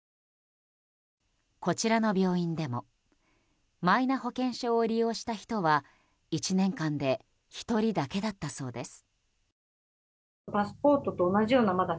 こちらの病院でもマイナ保険証を利用した人は１年間で１人だけだったそうです。